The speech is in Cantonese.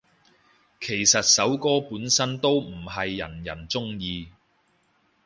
其實首歌本身都唔係人人鍾意